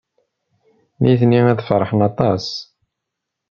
Nitni ad feṛḥen aṭas.